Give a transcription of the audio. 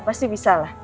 pasti bisa lah